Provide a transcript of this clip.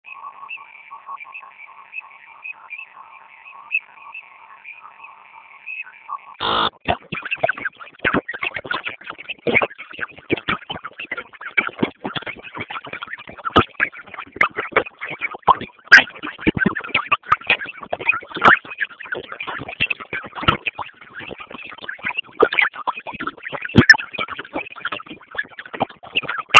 Anacheka vizuri